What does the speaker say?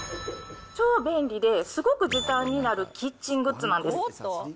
超便利で、すごく時短になるキッチングッズなんです。